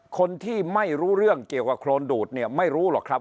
คนที่ไม่รู้เรื่องเกี่ยวกับโครนดูดเนี่ยไม่รู้หรอกครับ